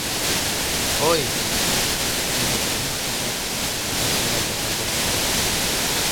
— Ой... — ӱдыр мом ышташат, мом шоналташат ок пале.